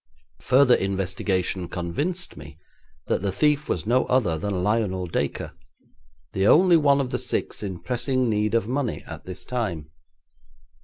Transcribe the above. Further investigation convinced me that the thief was no other than Lionel Dacre, the only one of the six in pressing need of money at this time.